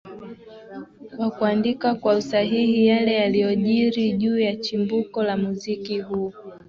Kwa kuandika kwa usahihi yale yaliojiri juu ya chimbuko la muziki huu